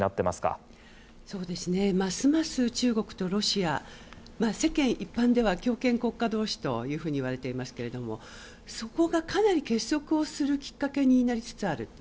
ますます中国とロシア世間一般では強権国家同士といわれていますけどそこがかなり結束をするきっかけになりつつある。